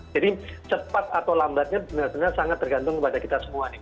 jadi cepat atau lambatnya benar benar sangat tergantung kepada kita semua